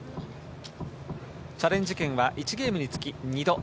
チャレンジ権は１ゲームにつき２度。